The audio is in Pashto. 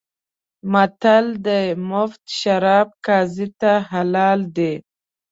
متل دی: مفت شراب قاضي ته حلال دي.